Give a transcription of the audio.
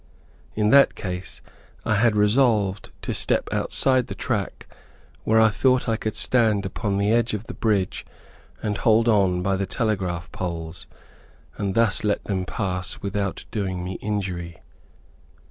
In that case I had resolved to step outside the track where I thought I could stand upon the edge of the bridge and hold on by the telegraph poles, and thus let them pass without doing me injury.